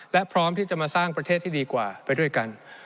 และพร้อมที่จะมาสร้างประเทศที่ดีกว่าไปด้วยกัน